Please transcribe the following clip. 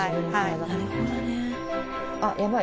なるほどね。